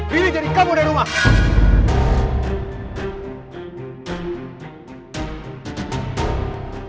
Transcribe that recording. pilih jadi kamu dari rumah